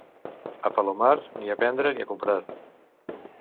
A Palomar, ni a vendre ni a comprar.